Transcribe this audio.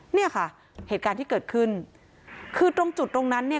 เนี่ยค่ะเหตุการณ์ที่เกิดขึ้นคือตรงจุดตรงนั้นเนี่ย